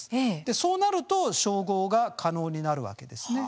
そうなると照合が可能になるわけです。